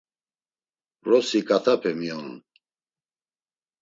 Vrosi ǩatape mionun.